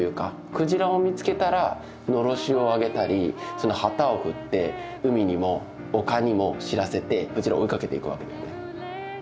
クジラを見つけたらのろしを上げたりその旗を振って海にも陸にも知らせてクジラを追いかけていくわけだよね。